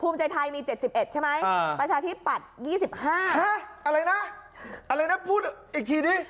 ภูมิใจไทยมีเจ็ดสิบเอ็ดใช่ไหมอ่าประชาทิศปัดยี่สิบห้าอะไรนะอะไรนะพูดอีกทีดิ